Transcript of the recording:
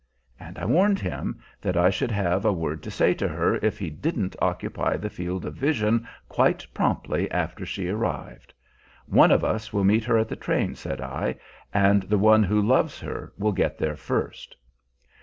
And I warned him that I should have a word to say to her if he didn't occupy the field of vision quite promptly after she arrived. 'One of us will meet her at the train,' said I, 'and the one who loves her will get there first.'